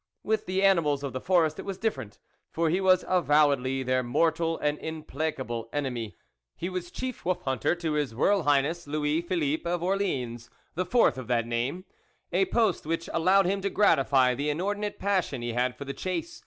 With the animals of the forest it was different, for he was avowedly their mortal and im placable enemy. He was chief wolf hunter to his Royal THE WOLF LEADER Highness Louis Philippe of Orleans, the fourth of that name, a post which al lowed him to gratify the inordinate passion he fiai for the chase.